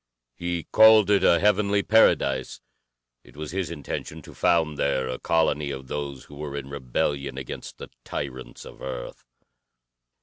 He called it a heavenly paradise. It was his intention to found there a colony of those who were in rebellion against the tyrants of Earth.